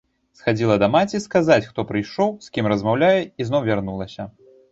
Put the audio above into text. Схадзіла да маці, сказаць, хто прыйшоў, з кім размаўляе, і зноў вярнулася.